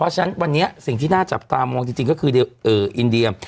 ฉะนั้นวันนี้สิ่งที่น่าจับตามองจริงก็คืออินเดีย